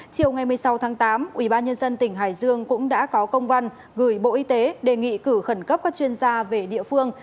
chiều ngày một mươi sáu tháng tám ubnd tỉnh hải dương cũng đã có công văn gửi bộ y tế đề nghị cử khẩn cấp các chuyên gia về địa phương